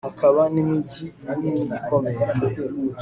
hakaba n'imigi minini ikomeye